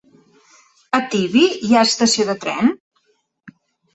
A Tibi hi ha estació de tren?